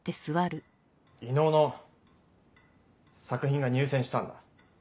伊能の作品が入選したんだ。